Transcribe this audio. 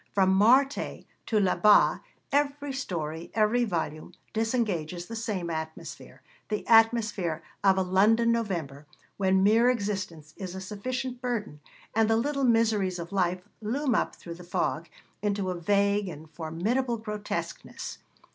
From Marthe to Là Bas every story, every volume, disengages the same atmosphere the atmosphere of a London November, when mere existence is a sufficient burden, and the little miseries of life loom up through the fog into a vague and formidable grotesqueness.